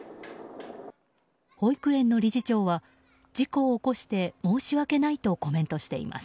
保育園の理事長は事故を起こして申し訳ないとコメントしています。